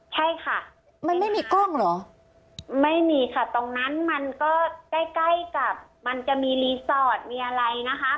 ใช่ค่ะมันไม่มีกล้องเหรอไม่มีค่ะตรงนั้นมันก็ใกล้ใกล้กับมันจะมีรีสอร์ทมีอะไรนะคะ